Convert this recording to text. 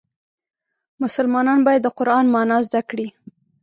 مسلمان باید د قرآن معنا زده کړي.